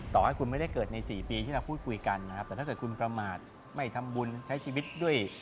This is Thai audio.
ต่อให้คุณไม่ได้เกิดใน๔ปีที่เราพูดคุยกันนะครับแต่ถ้าเกิดคุณประมาทไม่ทำบุญใช้ชีวิตด้วย